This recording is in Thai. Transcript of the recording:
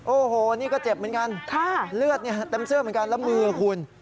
โอ้โหนี่ก็เจ็บเหมือนกันเลือดเต็มเสื้อเหมือนกันแล้วมือคุณ